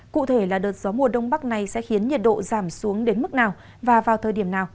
cụ thể là đợt gió mùa đông bắc này sẽ khiến nhiệt độ giảm xuống đến mức nào và vào thời điểm nào